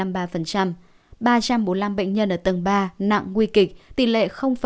ba trăm bốn mươi năm bệnh nhân ở tầng ba nặng nguy kịch tỷ lệ một mươi ba